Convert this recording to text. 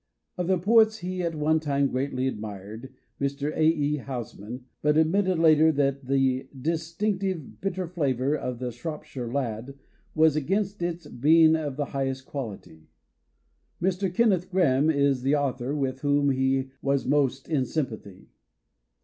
Of the poets he at one time greatly admired Mr. A. E. Housman, but admitted later that the "dis tinctive bitter flavour" of "The Shropshire Lad" was against its " being of the highest quality" Mr. Kenneth x Grahame is the author with whom he was most in sympathy.